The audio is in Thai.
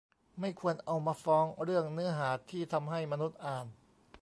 ไม่ควรเอามาฟ้องเรื่องเนื้อหาที่ทำให้มนุษย์อ่าน